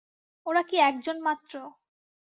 ওরা কি একজন মাত্র।